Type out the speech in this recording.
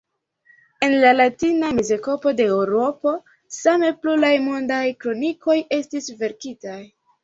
En la latina mezepoko de Eŭropo same pluraj mondaj kronikoj estis verkitaj.